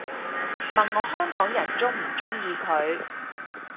問我香港人鍾唔鍾意佢